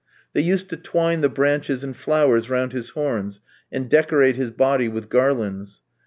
They used to twine the branches and flowers round his horns and decorate his body with garlands.